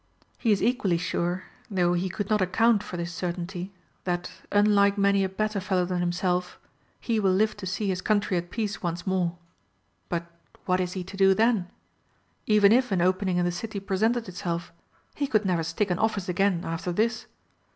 He is equally sure, though he could not account for his certainty, that, unlike many a better fellow than himself, he will live to see his country at peace once more. But what is he to do then? Even if an opening in the City presented itself, he could never stick an office again after this.